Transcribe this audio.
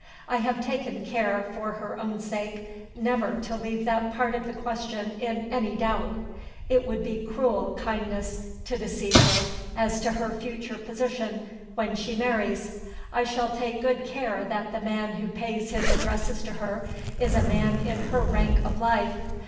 I have taken care, for her own sake, never to leave that part of the question in any doubt. It would be cruel kindness to deceive her as to her future position when she marries. I shall take good care that the man who pays his addresses to her is a man in her rank of life.